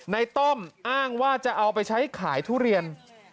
ต้อมอ้างว่าจะเอาไปใช้ขายทุเรียน